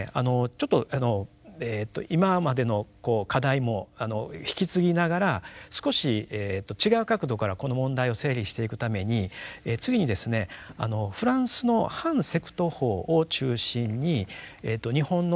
ちょっと今までのこう課題も引き継ぎながら少し違う角度からこの問題を整理していくために次にですねフランスの反セクト法を中心に日本のですね